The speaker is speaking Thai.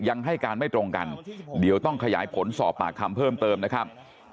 ยังให้การไม่ตรงกันเดี๋ยวต้องขยายผลสอบปากคำเพิ่มเติมนะครับ